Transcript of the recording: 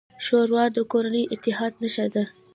ښوروا د کورني اتحاد نښه ده.